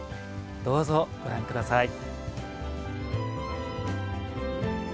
どうぞご覧下さい。